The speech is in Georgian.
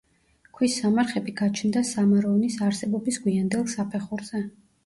ქვის სამარხები გაჩნდა სამაროვნის არსებობის გვიანდელ საფეხურზე.